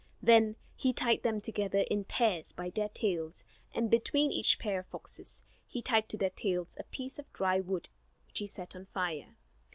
Then he tied them together in pairs, by their tails; and between each pair of foxes he tied to their tails a piece of dry wood which he set on fire.